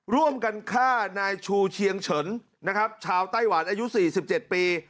ร่วมกันฆ่านายชูเชียงเฉินนะครับชาวไต้หวันอายุ๔๗ปี